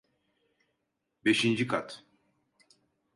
Beşinci kat.